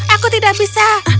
aku tidak bisa